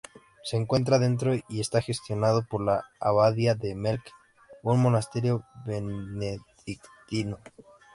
Se encuentra dentro y está gestionado por la Abadía de Melk, un monasterio benedictino.